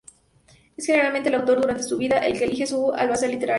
Es generalmente el autor, durante su vida, el que elige a su albacea literario.